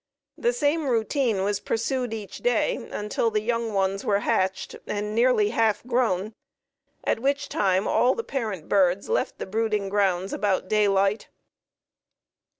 The same routine was pursued each day until the young ones were hatched and nearly half grown, at which time all the parent birds left the brooding grounds about daylight.